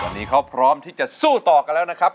นี่เขาพร้อมที่จะสู้ต่อกันแล้วนะครับ